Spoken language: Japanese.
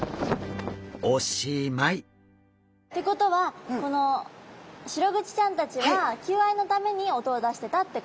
ってことはシログチちゃんたちは求愛のために音を出してたってことですね。